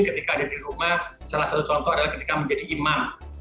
ketika ada di rumah salah satu contoh adalah ketika menjadi imam